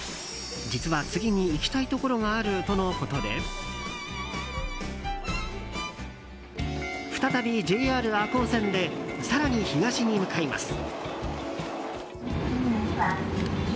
実は、次に行きたいところがあるとのことで再びＪＲ赤穂線で更に、東に向かいます。